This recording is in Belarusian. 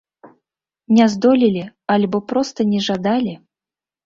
Не здолелі альбо проста не жадалі?